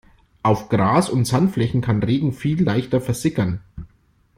Auf Gras- und Sandflächen kann Regen viel leichter versickern.